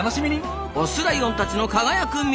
オスライオンたちの輝く未来。